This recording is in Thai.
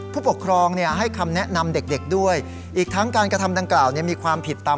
ผู้ปกครองให้คำแนะนำเด็กด้วยอีกทั้งการกระทำดังกล่าวมีความผิดตาม